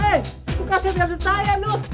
eh kukasih atas saya dulu